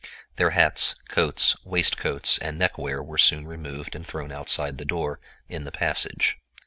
Their hats, coats, waistcoats, and neckwear were soon removed and thrown outside the door, in the passage.